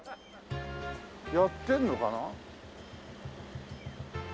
やってるのかな？